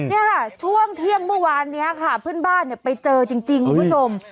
นี่ค่ะช่วงเที่ยงเมื่อวานนี้ค่ะเพื่อนบ้านไปเจอจริงคุณผู้ชม